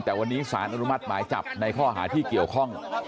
แต่วันนี้สารอนุมัติหมายจับในข้อหาที่เกี่ยวข้อง